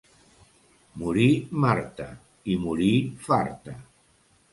Mori, Marta, i mori farta.